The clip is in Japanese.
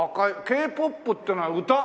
Ｋ−ＰＯＰっていうのは歌？